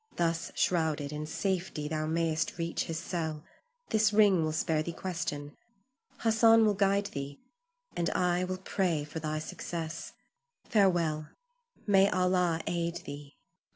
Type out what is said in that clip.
Thus shrouded, in safety thou mayst reach his cell; this ring will spare thee question. Hassan will guide thee, and I will pray for thy success. Farewell! May Allah aid thee!